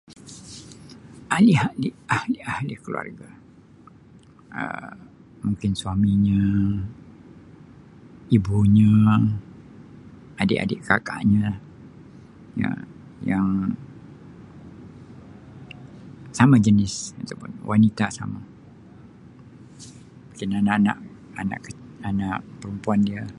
Ahli-ahli ahli-ahli keluarge Um mungkin suaminye, ibunye, adik-adik kakaknye ye yang same jenis macam wanita same mungkin anak-anak anak anak perempuan die.